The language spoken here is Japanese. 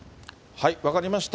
分かりました。